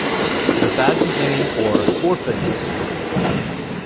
The Bad Beginning: or, Orphans!